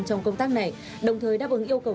trong công tác này đồng thời đáp ứng yêu cầu